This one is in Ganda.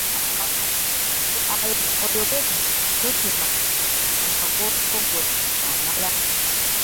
Oyogedde tosima gw'osoggodde amala.